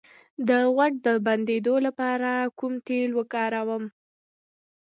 د غوږ د بندیدو لپاره کوم تېل وکاروم؟